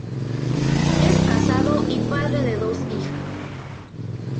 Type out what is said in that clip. Es casado y padre de dos hijas.